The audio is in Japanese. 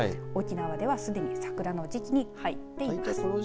沖縄では、すでにサクラの時期に入っています。